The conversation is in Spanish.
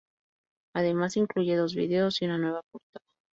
Además incluye dos videos y una nueva portada.